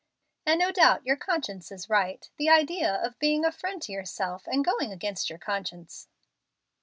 "And no doubt your conscience is right. The idea of being a friend to yourself and going against your conscience!"